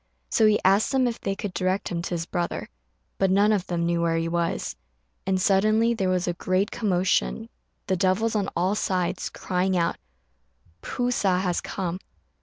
So he asked them if they could direct him to his brother but none of them knew where he was; and suddenly there was a great commotion, the devils on all sides crying out, "P'u sa has come!"